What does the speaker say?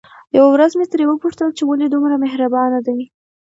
يوه ورځ مې ترې وپوښتل چې ولې دومره مهربانه دي؟